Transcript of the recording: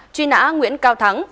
truy nã nguyễn cao thắng